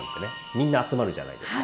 みんな集まるじゃないですか？